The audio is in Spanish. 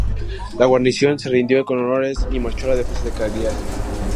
La guarnición se rindió con honores y marchó a la defensa de Cagliari.